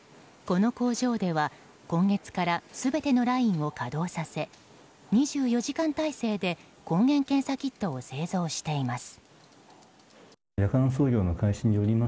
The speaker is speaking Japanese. この工場では今月から全てのラインを稼働させ２４時間態勢で抗原検査キットを製造しています。